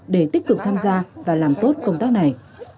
để tích cực tham gia và làm tốt công tác này